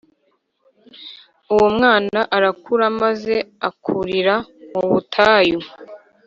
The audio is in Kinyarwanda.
Uwo mwana arakura maze akurira mu butayu